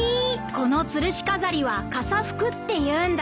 このつるし飾りは傘福っていうんだ。